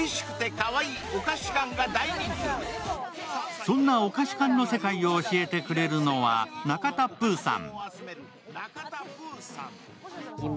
そんなお菓子缶の世界を教えてくれるのは中田ぷうさん。